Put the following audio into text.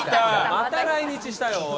また来日したよおい。